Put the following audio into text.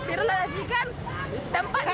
di relasikan tempat yang sepi